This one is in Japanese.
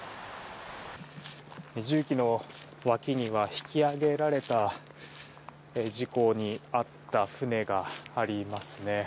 重機の脇には引き揚げられた事故に遭った船がありますね。